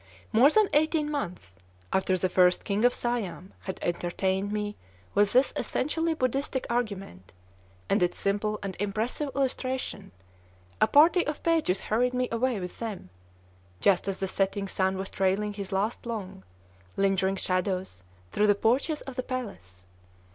More than eighteen months after the First King of Siam had entertained me with this essentially Buddhistic argument, and its simple and impressive illustration, a party of pages hurried me away with them, just as the setting sun was trailing his last long, lingering shadows through the porches of the palace.